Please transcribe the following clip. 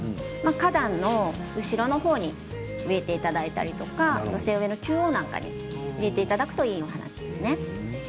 花壇の後ろの方に植えていただいたりとか寄せ植えの中央に置いていただくといいですね。